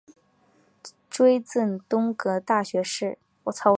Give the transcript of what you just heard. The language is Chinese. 追赠东阁大学士。